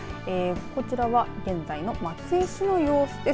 こちらは現在の松江市の様子です。